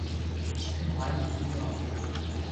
কিছু হয় নি, কী হবে?